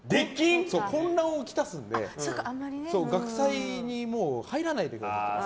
混乱をきたすので学祭に入らないでくださいと。